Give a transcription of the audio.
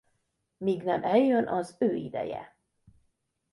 Mígnem eljön az ő ideje.